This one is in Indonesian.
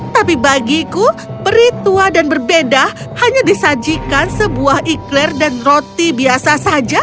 tapi bagiku peritua dan berbeda hanya disajikan sebuah iklir dan roti biasa saja